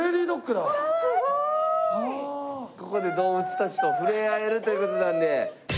ここで動物たちと触れ合えるという事なので。